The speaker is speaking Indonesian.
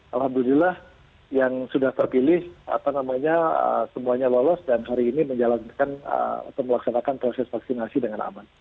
alhamdulillah yang sudah terpilih apa namanya semuanya lolos dan hari ini melaksanakan proses vaksinasi dengan aman